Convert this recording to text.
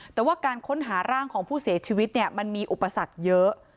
แต่ว่าการค้นหาร่างของผู้เสียชีวิตมันมีอุปสรรคเยอะ